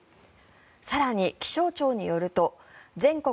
更に、気象庁によると全国